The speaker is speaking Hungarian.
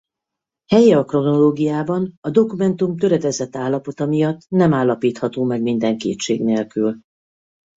Helye a kronológiában a dokumentum töredezett állapota miatt nem állapítható meg minden kétség nélkül.